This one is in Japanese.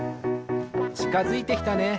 ちかづいてきたね。